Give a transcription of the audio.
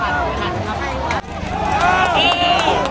สวัสดีครับทุกคน